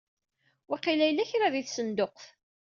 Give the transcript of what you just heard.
Waqila yella kra di tsenduqt.